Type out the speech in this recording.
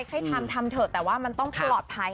ให้ทำทำเถอะแต่ว่ามันต้องปลอดภัย